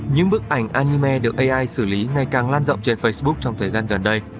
những bức ảnh anime được ai xử lý ngày càng lan rộng trên facebook trong thời gian gần đây